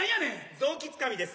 臓器つかみです。